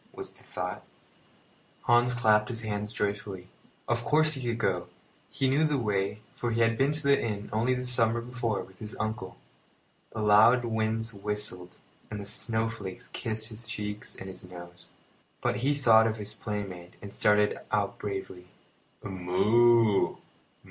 was the thought. The Rescue Hans clapped his hands joyfully. Of course he could go. He knew the way, for he had been to the inn only the summer before with his uncle. The loud winds whistled, and the snowflakes kissed his cheeks and his nose; but he thought of his playmate and started out bravely. "Moo!